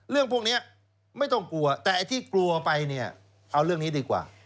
เรื่องพวกนี้ไม่ต้องกลัวแต่ไอ้ที่กลัวไปเนี่ยเอาเรื่องนี้ดีกว่า